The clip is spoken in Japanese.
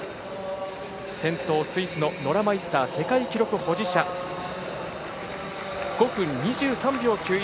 先頭、スイスのノラ・マイスター世界記録保持者が５分２４秒９１